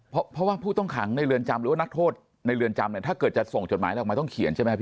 เพราะว่าผู้ต้องขังในเรือนจำหรือว่านักโทษในเรือนจำเนี่ยถ้าเกิดจะส่งจดหมายอะไรออกมาต้องเขียนใช่ไหมพี่